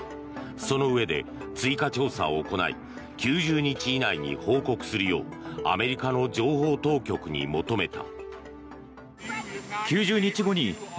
そのうえで、追加調査を行い９０日内に報告するようアメリカの情報当局に求めた。